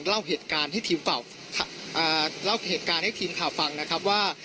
เล่าเหตุการณ์ให้ทีมข่าวฟังนะครับว่า